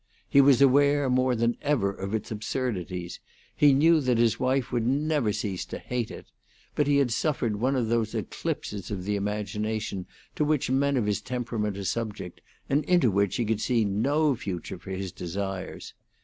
He was aware more than ever of its absurdities; he knew that his wife would never cease to hate it; but he had suffered one of those eclipses of the imagination to which men of his temperament are subject, and into which he could see no future for his desires.